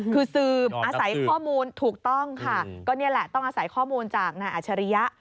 คือสืบอาศัยข้อมูลถูกต้องค่ะก็นี่แหละต้องอาศัยข้อมูลจากนายอัชริยะ